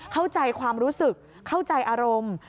เข้าใจความรู้สึกเข้าใจอารมณ์